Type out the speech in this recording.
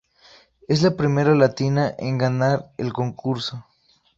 Es la primera latina en ganar el concurso.